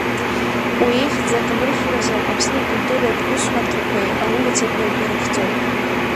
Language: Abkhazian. Уи ихьӡ акамыршәразы Аԥсны акультуратә усҳәарҭақәеи аулицақәеи ирыхҵоуп.